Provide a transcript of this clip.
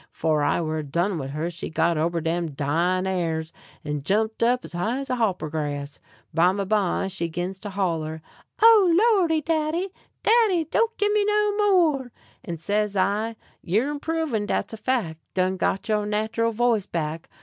'Fore I were done wid her she got ober dem dying a'rs, and jumped as high as a hopper grass. Bimeby she 'gins to holler: "Oh, Lordy, daddy! daddy! don't give me no more." And says I: "You're improvin', dat's a fac'; done got your natural voice back.